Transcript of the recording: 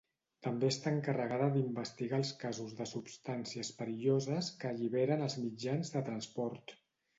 També està encarregada d'investigar els casos de substàncies perilloses que alliberen els mitjans de transport.